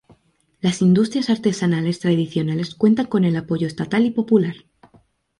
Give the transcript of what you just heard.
Las industrias artesanales tradicionales cuentan con el apoyo estatal y popular.